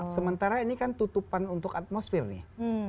sementara ini kan tutupan untuk atmosfer nih